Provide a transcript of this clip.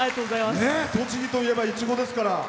栃木といえば、いちごですから。